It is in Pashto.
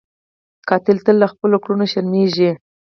قاتل تل له خپلو کړنو شرمېږي